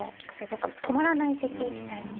なんか止まらないせきみたいな。